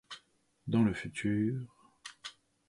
Dans le futur...